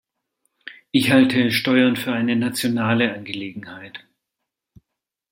Ich halte Steuern für eine nationale Angelegenheit.